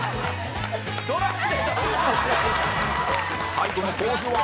最後のポーズは